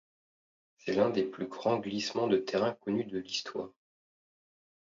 C'est l'un des plus grands glissements de terrain connus de l'histoire.